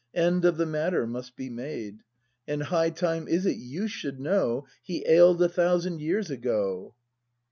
End of the matter must be made; And hiffh time is it vou should know He ail'd a thousand years ago.